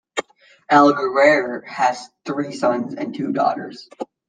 Al Ghurair has three sons and two daughters.